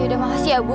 yaudah makasih ya bu